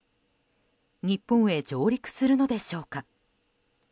日本へ上陸するのでしょうか。